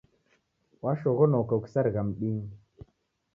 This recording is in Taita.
Washoghonoka ukisarigha mdinyi